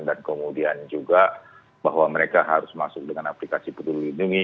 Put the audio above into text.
dan kemudian juga bahwa mereka harus masuk dengan aplikasi peduli lindungi